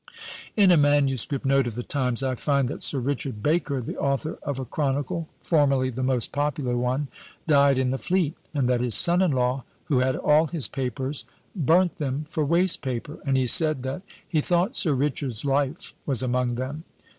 In a manuscript note of the times, I find that Sir Richard Baker, the author of a chronicle, formerly the most popular one, died in the Fleet; and that his son in law, who had all his papers, burnt them for waste paper; and he said that "he thought Sir Richard's life was among them!"